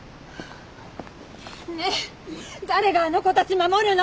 ねえ誰があの子たち守るの？